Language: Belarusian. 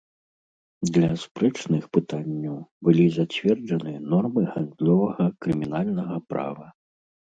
Для спрэчных пытанняў былі зацверджаны нормы гандлёвага крымінальнага права.